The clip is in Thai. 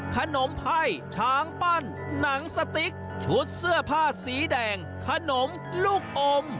ไพ่ช้างปั้นหนังสติ๊กชุดเสื้อผ้าสีแดงขนมลูกอม